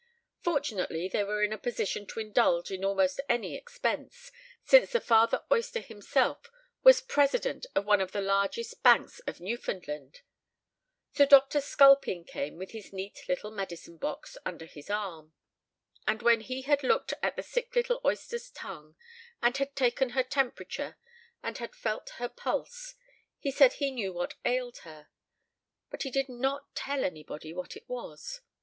Fortunately they were in a position to indulge in almost any expense, since the father oyster himself was president of one of the largest banks of Newfoundland. So Dr. Sculpin came with his neat little medicine box under his arm. And when he had looked at the sick little oyster's tongue, and had taken her temperature, and had felt her pulse, he said he knew what ailed her; but he did not tell anybody what it was.